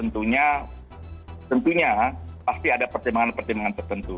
tentunya pasti ada pertimbangan pertimbangan tertentu